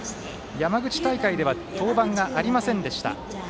山口大会では登板がありませんでした。